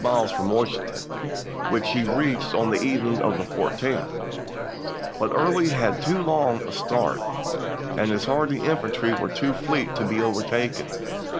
VII. July, 1864. miles from Washington, which he reached on the evening of the 14th. But Early had too long a start, and his hardy infantry were too fleet to be overtaken.